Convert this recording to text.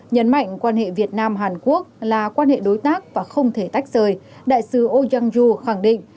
nhấn mạnh quan hệ việt nam hàn quốc là quan hệ đối tác và không thể tách rời đại sứ ô giang du khẳng định